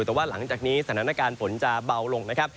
แต่ว่าหลังจากนี้สถานการณ์ฝนจะเบาลงนะครับ